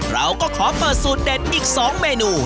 เราก็ขอเปิดสูตรเด็ดอีก๒เมนู